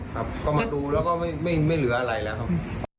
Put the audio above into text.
ครับก็มาดูแล้วก็ไม่เหลืออะไรแล้วครับ